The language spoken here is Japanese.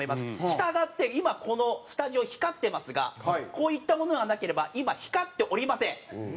従って今このスタジオ光ってますがこういったものがなければ今光っておりません。